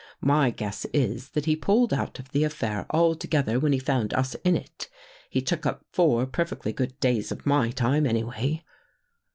My guess is that he pulled out of the affair altogether when he found us in it. He took up four perfectly good days of my time, anyway."